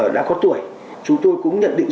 đã có tuổi chúng tôi cũng nhận định